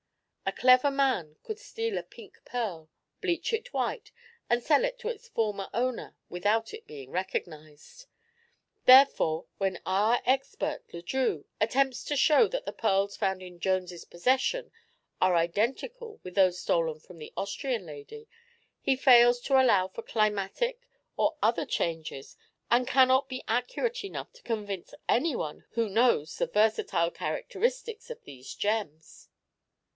A clever man could steal a pink pearl, bleach it white, and sell it to its former owner without its being recognized. Therefore, when our expert, Le Drieux, attempts to show that the pearls found in Jones' possession are identical with those stolen from the Austrian lady, he fails to allow for climatic or other changes and cannot be accurate enough to convince anyone who knows the versatile characteristics of these gems."